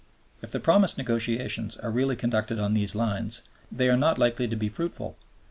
If the promised negotiations are really conducted on these lines, they are not likely to be fruitful.